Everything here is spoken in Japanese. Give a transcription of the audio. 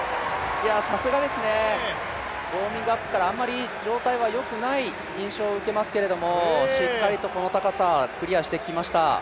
さすがですね、ウォーミングアップからあんまり状態はよくない印象を受けますけれどもしっかりとこの高さ、クリアしてきました。